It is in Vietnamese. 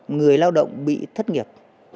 người lao động bị thất nghiệp